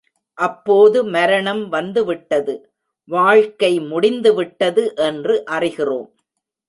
அப்போது மரணம் வந்துவிட்டது, வாழ்க்கை முடிந்துவிட்டது என்று அறிகிறோம்.